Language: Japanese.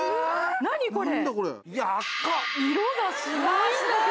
何これ。